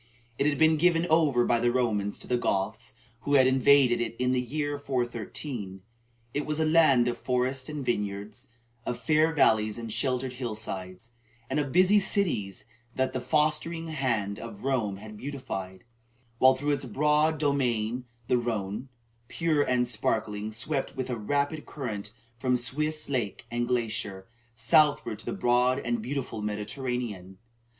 It had been given over by the Romans to the Goths, who had invaded it in the year 413. It was a land of forest and vineyards, of fair valleys and sheltered hill sides, and of busy cities that the fostering hand of Rome had beautified; while through its broad domain the Rhone, pure and sparkling, swept with a rapid current from Swiss lake and glacier, southward to the broad and beautiful Mediterranean.